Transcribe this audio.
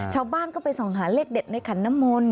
ชาวบ้านก็ไปส่องหาเลขเด็ดในขันน้ำมนต์